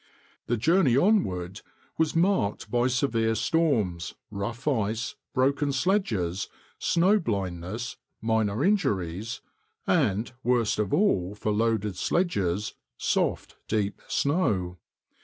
"The journey onward was marked by severe storms, rough ice, broken sledges, snow blindness, minor injuries, and—worst of all for loaded sledges—soft, deep snow."